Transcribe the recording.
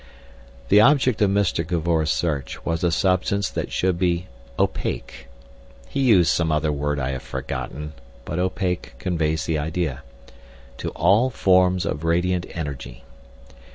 The object of Mr. Cavor's search was a substance that should be "opaque"—he used some other word I have forgotten, but "opaque" conveys the idea—to "all forms of radiant energy."